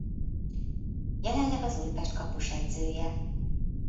Jelenleg az Újpest kapusedzője.